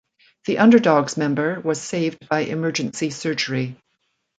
The Underdogs member was saved by emergency surgery.